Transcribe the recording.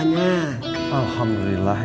insya allah saya yang akan pimpin doanya